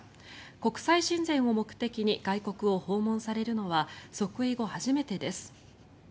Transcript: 国際親善を目的に外国を訪問されるのは即位後初めてです。